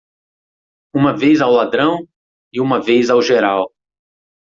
Uma vez ao ladrão? e uma vez ao geral.